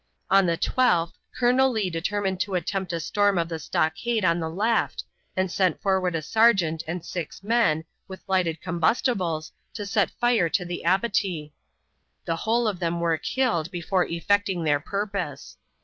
On the 12th Colonel Lee determined to attempt a storm of the stockade on the left, and sent forward a sergeant and six men, with lighted combustibles, to set fire to the abattis. The whole of them were killed before effecting their purpose.